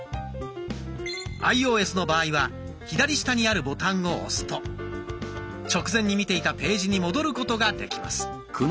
アイオーエスの場合は左下にあるボタンを押すと直前に見ていたページに戻ることができます。